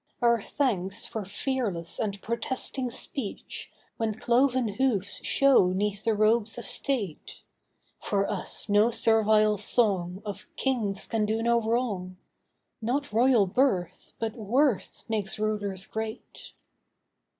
Our thanks for fearless and protesting speech When cloven hoofs show 'neath the robes of state. For us no servile song of 'Kings can do no wrong.' Not royal birth, but worth, makes rulers great.